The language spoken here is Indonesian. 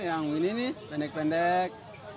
yang ini nih pendek pendek